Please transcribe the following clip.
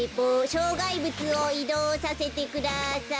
しょうがいぶつをいどうさせてください。